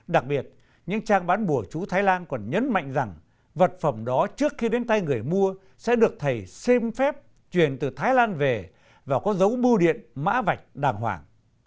đặc biệt những trang bán bùa chú thái lan còn nhấn mạnh rằng vật phẩm đó trước khi đến tay người mua sẽ được thầy xem phép chuyển từ thái lan về và có dấu bưu điện mã vạch đàng hoàng